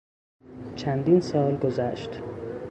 چندین سال گذشت.